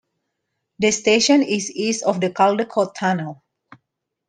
The station is east of the Caldecott Tunnel.